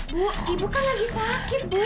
bu ibu kan lagi sakit bu